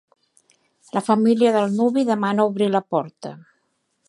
La família del nuvi demana obrir la porta.